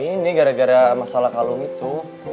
ini gara gara masalah kalung itu